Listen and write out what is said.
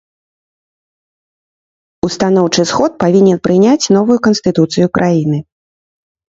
Устаноўчы сход павінен прыняць новую канстытуцыю краіны.